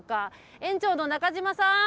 園長の中島さん。